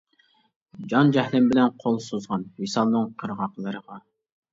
جان-جەھلىم بىلەن قول سوزغان، ۋىسالنىڭ قىرغاقلىرىغا.